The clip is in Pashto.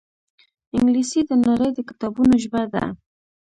انګلیسي د نړۍ د کتابونو ژبه ده